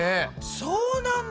そうなんだ。